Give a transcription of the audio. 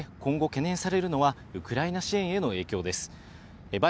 そして今後懸念されるのはウクライナ支援への影響です。